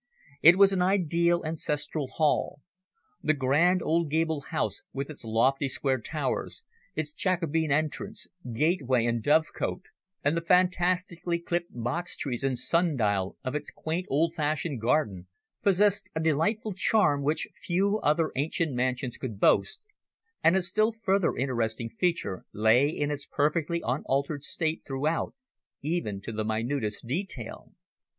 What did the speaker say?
It was an ideal ancestral hall. The grand old gabled house with its lofty square towers, its Jacobean entrance, gateway and dovecote, and the fantastically clipped box trees and sun dial of its quaint old fashioned garden, possessed a delightful charm which few other ancient mansions could boast, and a still further interesting feature lay in its perfectly unaltered state throughout, even to the minutest detail.